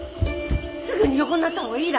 すぐに横になった方がいいら。